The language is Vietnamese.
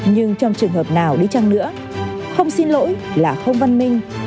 nhưng trong trường hợp nào đi chăng nữa không xin lỗi là không văn minh